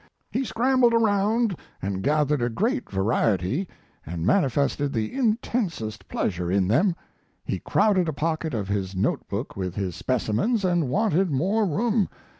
He scrambled around and gathered a great variety, and manifested the intensest pleasure in them. He crowded a pocket of his note book with his specimens and wanted more room.